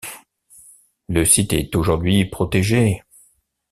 Le site est aujourd'hui protégé.